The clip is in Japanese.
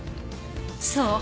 そう。